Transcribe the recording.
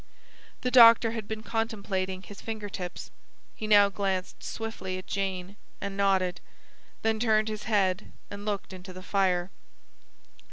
The doctor had been contemplating his finger tips. He now glanced swiftly at Jane, and nodded; then turned his head and looked into the fire.